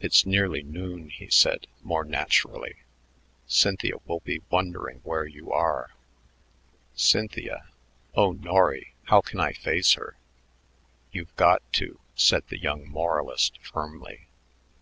"It's nearly noon," he said more naturally. "Cynthia will be wondering where you are." "Cynthia! Oh, Norry, how can I face her?" "You've got to," said the young moralist firmly.